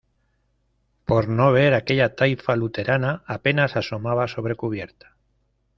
por no ver aquella taifa luterana, apenas asomaba sobre cubierta.